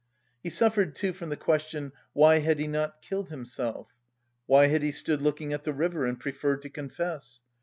He suffered too from the question: why had he not killed himself? Why had he stood looking at the river and preferred to confess?